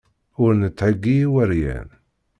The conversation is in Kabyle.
Ur netthegi iweryan.